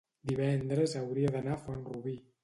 divendres hauria d'anar a Font-rubí.